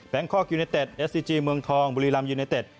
แบงค์คอกยูเนตท็ตเอสซีจีเมืองทองบุรีลำยูเนตท็ต